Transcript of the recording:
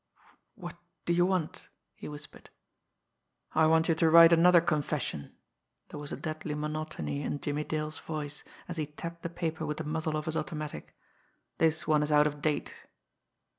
"W what do you want?" he whispered. "I want you to write another confession." There was a deadly monotony in Jimmie Dale's voice, as he tapped the paper with the muzzle of his automatic. "This one is out of date."